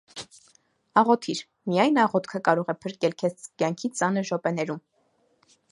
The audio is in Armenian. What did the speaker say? - Աղոթի՛ր, միայն աղոթքը կարող է փրկել քեզ կյանքիդ ծանր րոպեներում…